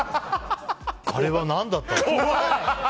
あれは何だったのか。